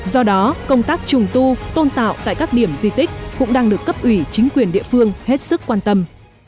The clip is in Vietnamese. do đó công tác trùng tu tôn tạo tại các điểm di tích cũng đang được cấp ủy chính quyền địa phương hết sức quan tâm